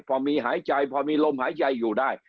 พอมีหายใจพอมีลมหายใจอยู่ได้